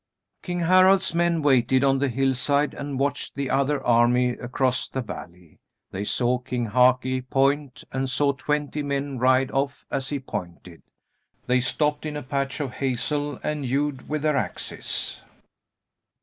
King Harald's men waited on the hillside and watched the other army across the valley. They saw King Haki point and saw twenty men ride off as he pointed. They stopped in a patch of hazel and hewed with their axes.